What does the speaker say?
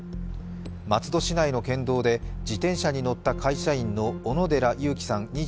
松戸市内の県道で自転車に乗った会社員の小野寺佑季さん